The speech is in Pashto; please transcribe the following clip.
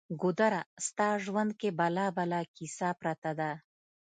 ګودره! ستا ژوند کې بلا بلا کیسه پرته ده